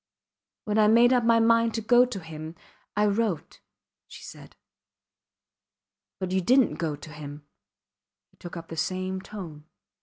When I made up my mind to go to him I wrote, she said. But you didnt go to him, he took up in the same tone.